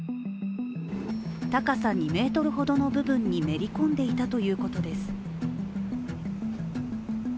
高さ２ｍほどの部分にめり込んでいたということです。